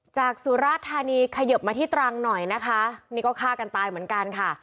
สุราธานีขยบมาที่ตรังหน่อยนะคะนี่ก็ฆ่ากันตายเหมือนกันค่ะ